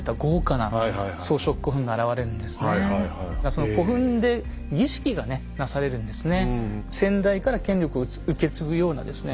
その古墳で儀式がねなされるんですね。